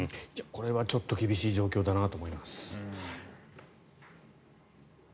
これは厳しい状況だなと思います。